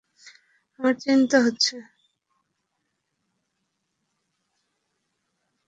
আমার চিন্তা হচ্ছে।